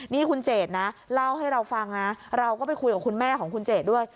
นี่คุณเจดนะเล่าให้เราฟังนะเราก็ไปคุยกับคุณแม่ของคุณเจดด้วย